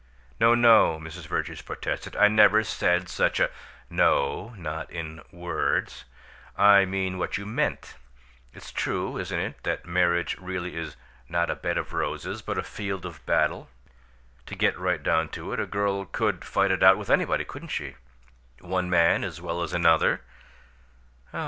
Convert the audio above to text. "No, no!" Mrs. Vertrees protested. "I never said such a " "No, not in words; I mean what you MEANT. It's true, isn't it, that marriage really is 'not a bed of roses, but a field of battle'? To get right down to it, a girl could fight it out with anybody, couldn't she? One man as well as another?"